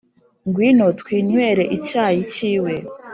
Ngwino twinywere icyayi cyiwe